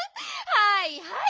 はいはい。